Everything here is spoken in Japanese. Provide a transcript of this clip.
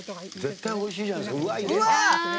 絶対おいしいじゃないですか。